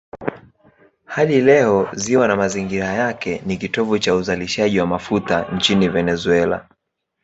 Hadi leo ziwa na mazingira yake ni kitovu cha uzalishaji wa mafuta nchini Venezuela.